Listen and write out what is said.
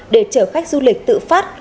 để chở khách du lịch tự phát